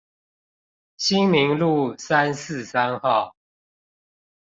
新明路三四三號